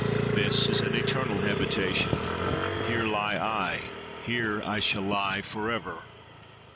"This is an eternal habitation; here lie I; here I shall lie for ever."